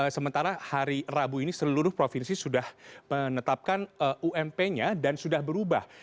sementara hari rabu ini seluruh provinsi sudah menetapkan ump nya dan sudah berubah